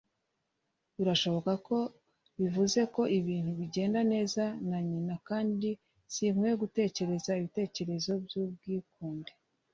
Birashoboka ko bivuze ko ibintu bigenda neza na nyina kandi sinkwiye gutekereza ibitekerezo byubwikunde.